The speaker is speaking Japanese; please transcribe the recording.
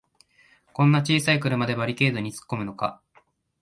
こんな小さい車でバリケードにつっこむのか